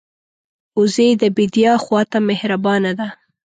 وزې د بیدیا خوا ته مهربانه ده